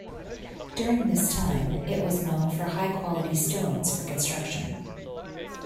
During this time, it was known for high quality stones for construction.